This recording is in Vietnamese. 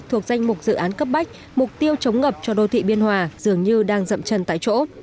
thuộc danh mục dự án cấp bách mục tiêu chống ngập cho đô thị biên hòa dường như đang dậm chân tại chỗ